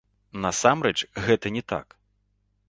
Насамрэч, гэта не так.